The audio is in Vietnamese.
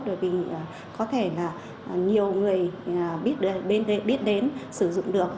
bởi vì có thể là nhiều người biết đến sử dụng được